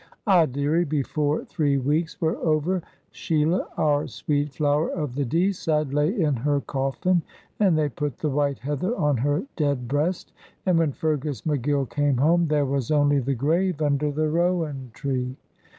Ah, dearie, before three weeks were over, Sheila, our sweet Flower of the Deeside, lay in her coffin, and they put the white heather on her dead breast; and when Fergus McGill came home there was only the grave under the rowan tree.